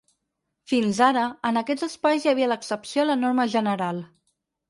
Fins ara, en aquests espais hi havia l’excepció a la norma general.